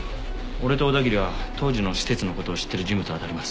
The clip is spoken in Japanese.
俺と小田切は当時の施設のことを知ってる人物を当たります。